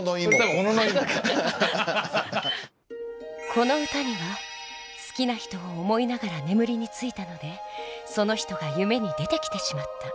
この歌には「好きな人を思いながら眠りについたのでその人が夢に出てきてしまった。